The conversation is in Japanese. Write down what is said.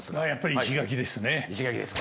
石垣ですか。